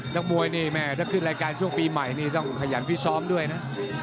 นักมวยนี่แม่ถ้าขึ้นรายการช่วงปีใหม่นี่ต้องขยันฟิศซ้อมด้วยนะ